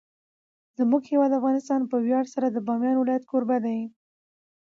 زموږ هیواد افغانستان په ویاړ سره د بامیان ولایت کوربه دی.